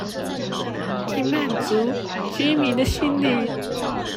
以滿足居民的心靈